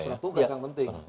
surat tugas yang penting